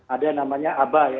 ada namanya aba ya